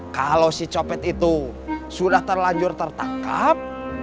kalau si copet itu sudah terlanjur tertangkap